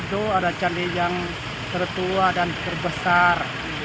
di sana ada acara berguna yang tertua dan besar